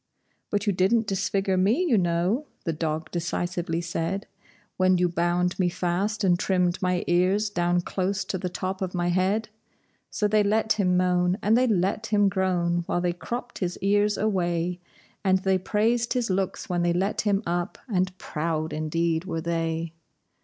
"But you didn't disfigure me, you know," the dog decisively said, "When you bound me fast and trimmed my ears down close to the top of my head!" So they let him moan and they let him groan while they cropped his ears away, And they praised his looks when they let him up, and proud indeed were they.